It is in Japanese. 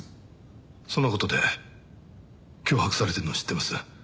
その事で脅迫されてるのは知ってます。